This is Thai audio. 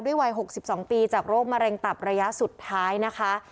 ด้วยวัยหกสิบสองปีจากโรคมะเร็งตับระยะสุดท้ายนะคะ